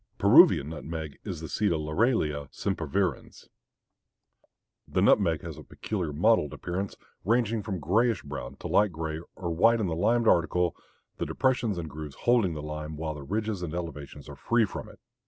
Peruvian nutmeg is the seed of Laurelia sempervirens. The nutmeg has a peculiar mottled appearance, ranging from grayish brown to light gray or white in the limed article, the depressions and grooves holding the lime while the ridges and elevations are free from it.